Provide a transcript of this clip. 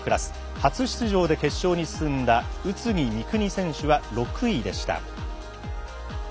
初出場で決勝に進んだ宇津木美都選手は６位でした。